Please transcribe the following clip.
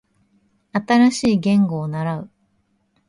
新しい言語を習う